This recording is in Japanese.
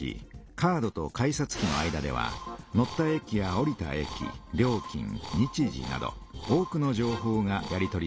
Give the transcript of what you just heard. カードと改札機の間では乗った駅やおりた駅料金日時など多くの情報がやり取りされます。